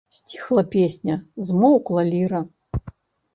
Сціхла песня, замоўкла ліра.